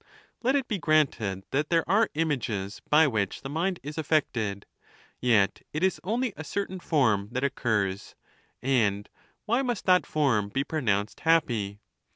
Eet it be granted that there are images by which the mind is affected, yet it is only a certain form that occurs ; and why must that form be pronounced happy?